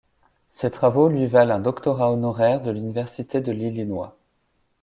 Ses travaux lui valent un doctorat honoraire de l’université de l’Illinois.